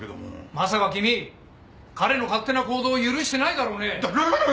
まさか君彼の勝手な行動を許してないだろうね？